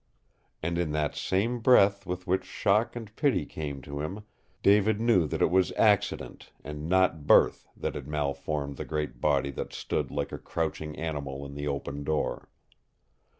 And in that same breath with which shock and pity came to him, David knew that it was accident and not birth that had malformed the great body that stood like a crouching animal in the open door.